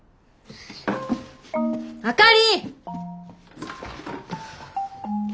あかり！